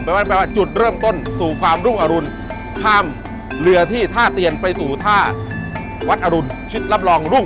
แปลว่าจุดเริ่มต้นสู่ความรุ่งอรุณข้ามเรือที่ท่าเตียนไปสู่ท่าวัดอรุณชิดรับรองรุ่ง